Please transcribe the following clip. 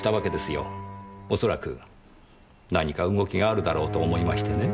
恐らく何か動きがあるだろうと思いましてね。